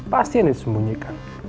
pasti ini disembunyikan